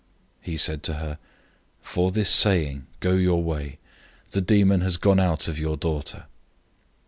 007:029 He said to her, "For this saying, go your way. The demon has gone out of your daughter."